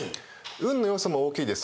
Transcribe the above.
運の要素も大きいです。